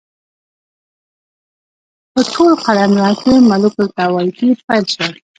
په ټول قلمرو کې ملوک الطوایفي پیل شوه.